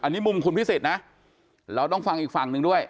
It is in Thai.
อันนี้มุมคุณพิสิทธิ์นะเราต้องฟังอีกฝั่งหนึ่งด้วย